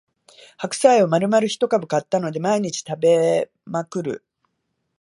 白菜をまるまる一株買ったので毎日食べまくる